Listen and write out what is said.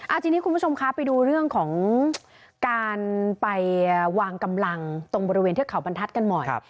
ทีนี้คุณผู้ชมคะไปดูเรื่องของการไปวางกำลังตรงบริเวณเทือกเขาบรรทัศน์กันหน่อย